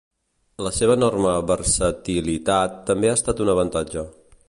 La seva enorme versatilitat també ha estat un avantatge.